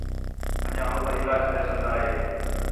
اَنڄیاں ہو تا علاج پِیا چَلدا ہے